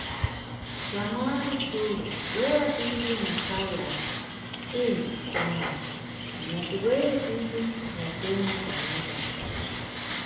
Xamwali Sulo, bwera tidye masayu yathu, inde, xamwali, natibwere tidye, na ifembo taneta.